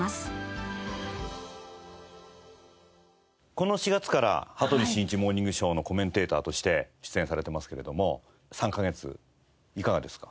この４月から『羽鳥慎一モーニングショー』のコメンテーターとして出演されてますけれども３カ月いかがですか？